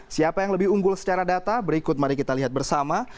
siapa yang lebih unggul secara data berikut mari kita lihat bersama